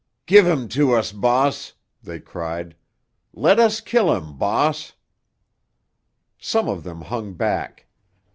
"Give him to us, bahss!" they cried. "Let us kill him, bahss!" Some of them hung back.